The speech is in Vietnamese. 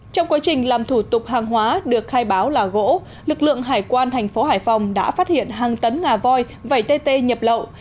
trong quá trình làm thủ tục hàng hóa được khai báo là gỗ lực lượng hải quan thành phố hải phòng đã phát hiện hàng tấn ngà voi vẩy tê tê nhập lậu